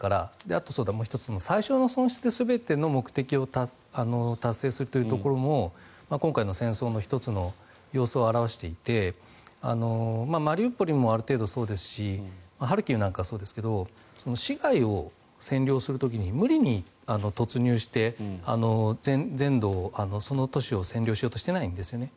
あと、もう１つ最少の損失で全ての目的を達成するというところも今回の戦争の１つの様相を表していてマリウポリもある程度そうですしハルキウなんかもそうですが市街を占領する時に無理に突入して全土を、その都市を占領しようとしていないんです。